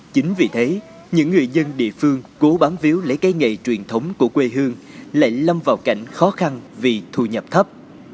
chính vì thế những người dân địa phương cố bám víu lấy cây nghề truyền thống của quê hương lại lâm vào cảnh khó khăn vì thu nhập thấp